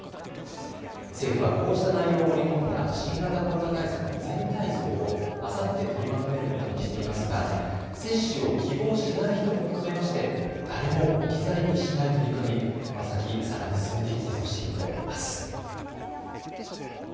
政府はこうした内容を盛り込んだ新型コロナ対策の全体像をあさって、取りまとめることにしていますが接種を希望しない人も含めまして誰も置き去りにしない取り組み、この先、さらに進めていってほしいと思います。